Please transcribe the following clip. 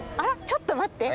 ちょっと待って。